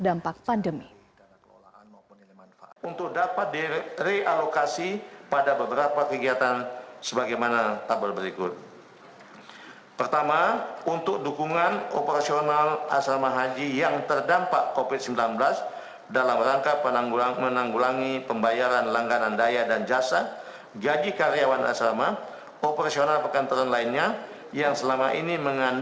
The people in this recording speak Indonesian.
dan tersebut salah satunya digunakan untuk dukungan operasional asrama haji yang terdampak pandemi